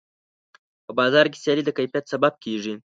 په بازار کې سیالي د کیفیت سبب کېږي.